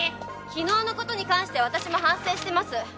昨日のことに関しては私も反省してます。